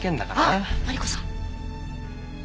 あっマリコさん！